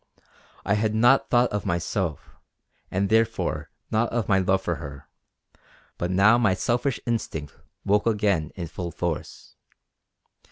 I had not thought of myself, and therefore not of my love for her; but now my selfish instinct woke again in full force.